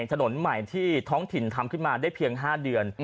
ถนนใหม่ที่ท้องถิ่นทำขึ้นมาได้เพียง๕เดือน